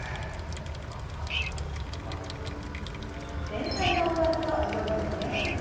前菜が終わるといよいよメイン。